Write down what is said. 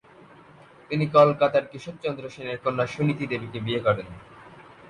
তিনি কলকাতার কেশবচন্দ্র সেনের কন্যা সুনীতি দেবীকে বিয়ে করেন।